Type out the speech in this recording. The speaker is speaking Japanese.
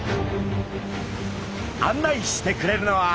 案内してくれるのは。